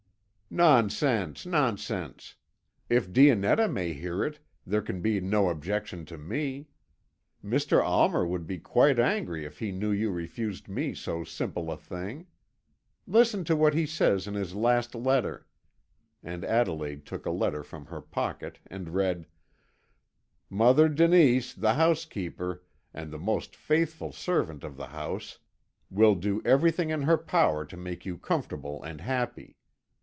"Nonsense, nonsense! If Dionetta may hear it, there can be no objection to me. Mr. Almer would be quite angry if he knew you refused me so simple a thing. Listen to what he says in his last letter," and Adelaide took a letter from her pocket, and read: "'Mother Denise, the housekeeper, and the most faithful servant of the house, will do everything in her power to make you comfortable and happy.